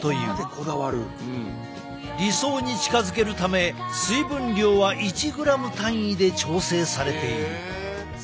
理想に近づけるため水分量は１ｇ単位で調整されている。